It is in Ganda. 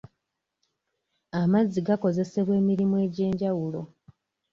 Amazzi gakozesebwa emirimu egy'enjawulo.